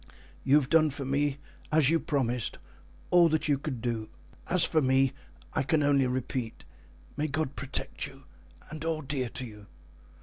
You have done for me, as you promised, all that you could do. As for me I can only repeat, may God protect you and all dear to you!"